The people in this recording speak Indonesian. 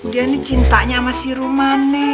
dia ini cintanya sama si rumani